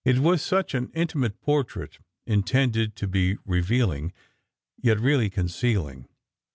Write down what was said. It was such an intimate portrait, intended to be re vealing, yet really concealing